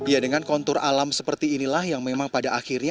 ya dengan kontur alam seperti inilah yang memang pada akhirnya